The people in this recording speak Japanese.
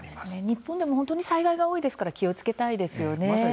日本でも災害が多いですから気をつけたいですよね。